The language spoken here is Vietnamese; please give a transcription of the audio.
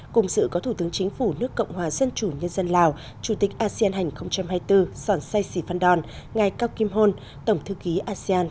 cùng dự có thủ tướng chính phủ nước cộng hòa dân chủ nhân dân lào chủ tịch asean hành hai mươi bốn sòn say si phan don ngài cao kim hôn tổng thư ký asean